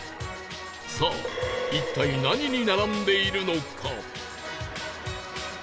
さあ一体何に並んでいるのか？